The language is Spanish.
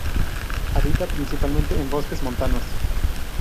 Habita principalmente en bosques montanos.